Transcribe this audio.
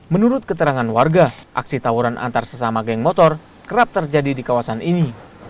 menurut keterangan warga aksi tawuran antar sesama geng motor kerap terjadi di kawasan ini